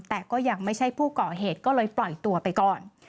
แต่ก็ยังไม่ใช่ผู้ก่อเหตุก็เลยปล่อยตัวไปก่อน